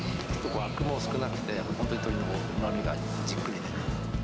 あくも少なくて、本当にうまみがじっくり出る。